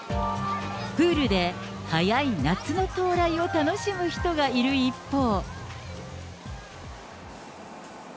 プールで早い夏の到来を楽しむ人がいる一方。